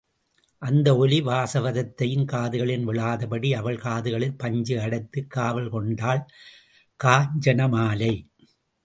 அந்த ஒலி வாசவதத்தையின் காதுகளில் விழாதபடி அவள் காதுகளில் பஞ்சு அடைத்துக் காவல் கொண்டாள் காஞ்சன மாலை.